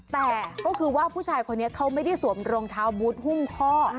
แต่ก็คือว่าผู้ชายคนนี้เขาไม่ได้สวมรองเท้าบูธหุ้มข้อ